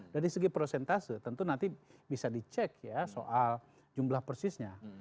dari segi prosentase tentu nanti bisa dicek ya soal jumlah persisnya